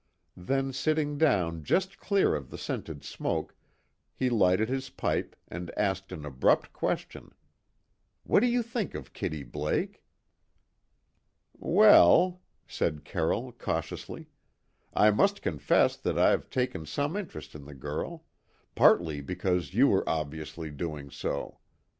Then sitting down just clear of the scented smoke, he lighted his pipe and asked an abrupt question: "What do you think of Kitty Blake?" "Well," said Carroll cautiously, "I must confess that I've taken some interest in the girl; partly because you were obviously doing so.